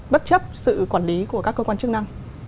bất chấp sự quản lý của các cơ quan chức năng